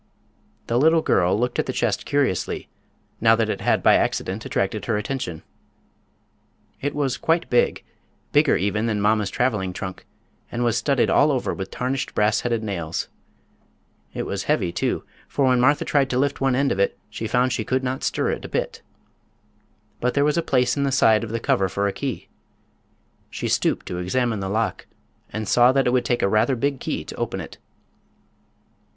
The little girl looked at the chest curiously, now that it had by accident attracted her attention. It was quite big—bigger even than mamma's traveling trunk—and was studded all over with tarnished brassheaded nails. It was heavy, too, for when Martha tried to lift one end of it she found she could not stir it a bit. But there was a place in the side of the cover for a key. She stooped to examine the lock, and saw that it would take a rather big key to open it.